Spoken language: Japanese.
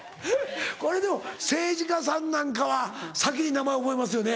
これでも政治家さんなんかは先に名前覚えますよね